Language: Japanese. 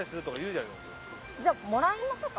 じゃあもらいましょうか。